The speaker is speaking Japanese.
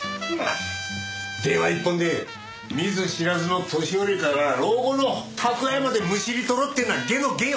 電話一本で見ず知らずの年寄りから老後の蓄えまでむしり取ろうっていうのは下の下よ。